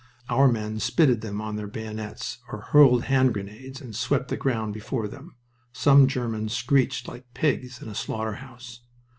Our men spitted them on their bayonets or hurled hand grenades, and swept the ground before them. Some Germans screeched like pigs in a slaughter house.